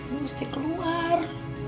bu mesti keluar